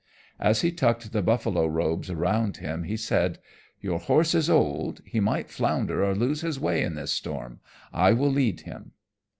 As he tucked the buffalo robes around him he said: "Your horse is old, he might flounder or lose his way in this storm. I will lead him."